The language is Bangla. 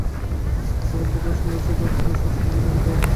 গতকাল বুধবার সন্ধ্যায় ছয়টায় হরতাল শেষ হলেও লাগাতার অবরোধ কর্মসূচি অব্যাহত আছে।